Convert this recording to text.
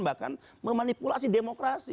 bahkan memanipulasi demokrasi